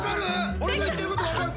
俺の言ってること分かる？